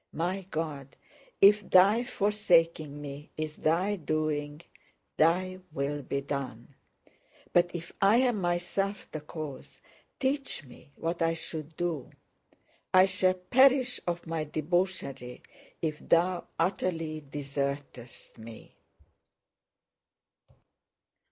My God, if Thy forsaking me is Thy doing, Thy will be done; but if I am myself the cause, teach me what I should do! I shall perish of my debauchery if Thou utterly desertest me!